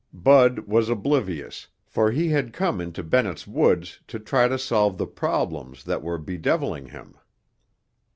Bud was oblivious, for he had come into Bennett's Woods to try to solve the problems that were bedeviling him.